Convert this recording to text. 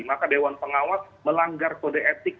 maka dewan pengawas melanggar kode etik